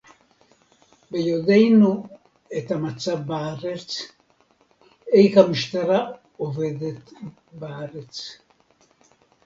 ביודענו את המצב בארץ - איך המשטרה עובדת בארץ